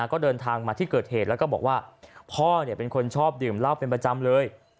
ก็เดินทางมาที่เกิดเหตุแล้วก็บอกว่าพ่อเป็นคนชอบดื่มเหล้าเป็นประจำเลย